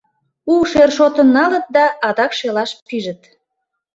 У шершотым налыт да адак шелаш пижыт.